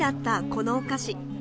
このお菓子。